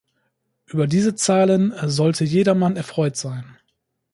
Über diese Zahlen sollte jedermann erfreut sein.